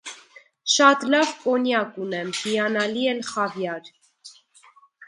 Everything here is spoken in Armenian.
շատ լավ կոնյակ ունեմ, հիանալի էլ խավիար: